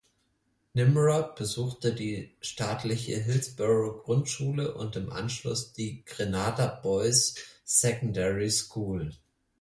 Nimrod besuchte die staatliche Hillsbourough-Grundschule und im Anschluss die „Grenada Boys' Secondary School“.